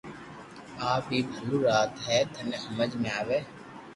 آ بي ڀلو وات ھي ٿني ھمج مي آوي